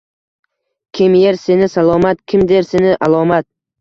Kim yer seni salomat, kim der seni “alomat”